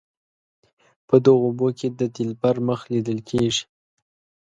په دغو اوبو کې د دلبر مخ لیدل کیږي.